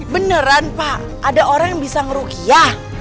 beneran pak ada orang yang bisa ngerukiah